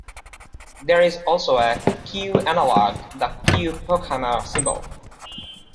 There is also a "q"-analogue, the "q"-Pochhammer symbol.